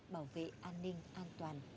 bảo vệ an ninh an toàn